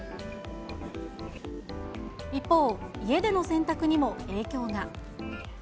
一方、家での洗濯にも影響が。